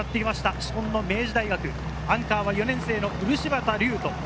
紫紺の明治大学、アンカーは４年生の漆畑瑠人。